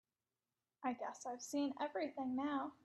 I guess I've seen everything now.